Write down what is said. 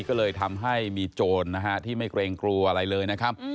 ก็เลยทำให้มีโจรนะฮะที่ไม่เกรงกลัวอะไรเลยนะครับ